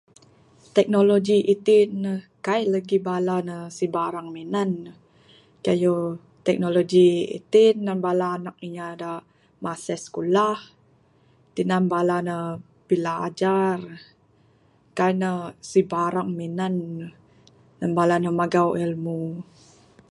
Teknologi itik ne, kaik legi bala ne sibarang minan ne, keyuh teknologi itik ne bala nak inya de masih sekulah, tinan bala ne bilajar, kan ne sibarang minan ne, nan bala megau ilmu.